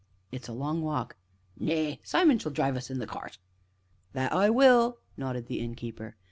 "It's a long walk!" "Nay Simon shall drive us in the cart." "That I will!" nodded the Innkeeper.